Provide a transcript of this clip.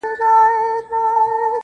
آیا قوي ارده لرئ